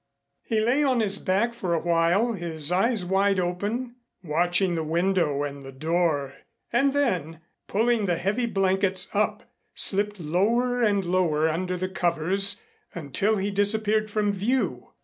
He lay on his back for a while, his eyes wide open, watching the window and the door and then, pulling the heavy blankets up, slipped lower and lower under the covers until he disappeared from view.